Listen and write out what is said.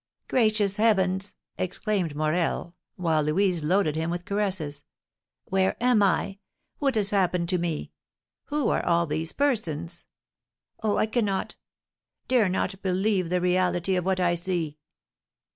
"Gracious heavens!" exclaimed Morel, while Louise loaded him with caresses. "Where am I? What has happened to me? Who are all these persons? Oh, I cannot dare not believe the reality of what I see!"